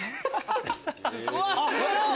うわっすごっ！